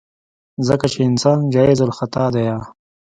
ځکه چې انسان جايزالخطا ديه.